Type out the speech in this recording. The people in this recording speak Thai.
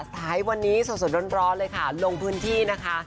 สายวันนี้สดร้อนเลยค่ะลงพื้นที่นะคะ